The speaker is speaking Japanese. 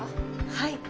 はい。